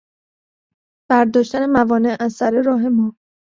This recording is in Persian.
برداشتن موانع از سر راه ما